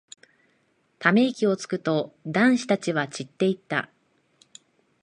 ため息をつくと、男子たちは散っていった。